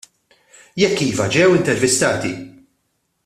Jekk iva, ġew intervistati?